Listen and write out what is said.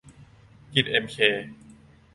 กินเอ็มเค